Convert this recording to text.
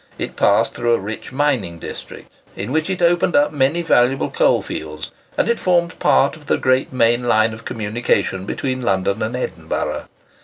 It passed through a rich mining district, in which it opened up many valuable coalfields, and it formed part of the great main line of communication between London and Edinburgh.